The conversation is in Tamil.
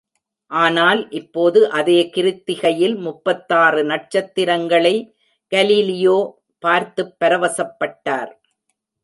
ஆனால், இப்போது அதே கிருத்திகையில் முப்பத்தாறு நட்சத்திரங்களை கலீலியோ பார்த்துப் பரவசப்பட்டார்.